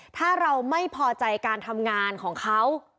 ถ้าเราไม่พอใจการทำงานของเขา